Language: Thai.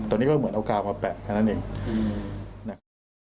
ตรงนี้ก็จะเหมือนเอากราวมาแปะแค่นั้นเอง